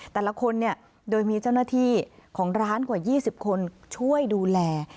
แต่ละคนเนี่ยโดยมีเจ้าหน้าที่ของร้านกว่า๒๐คนช่วยดูแล